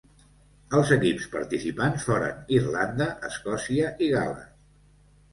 Els equips participants foren Irlanda, Escòcia, i Gal·les.